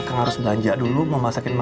akang harus belanja dulu mau masuk ke rumah